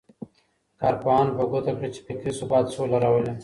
کارپوهانو په ګوته کړه چي فکري ثبات سوله راولي.